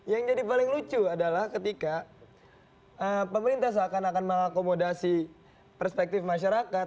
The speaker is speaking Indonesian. yang jadi paling lucu adalah ketika pemerintah seakan akan mengakomodasi perspektif masyarakat